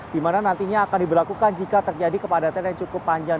di mana nantinya akan diberlakukan jika terjadi kepadatan yang cukup panjang